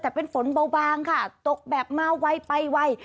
แต่เป็นฝนเบาบางค่ะตกแบบมาไวไปไว